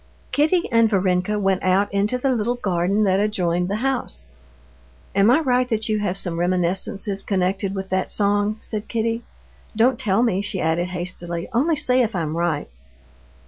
Kitty and Varenka went out into the little garden that adjoined the house. "Am I right, that you have some reminiscences connected with that song?" said Kitty. "Don't tell me," she added hastily, "only say if I'm right."